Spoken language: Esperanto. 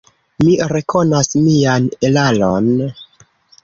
Mi rekonas mian eraron.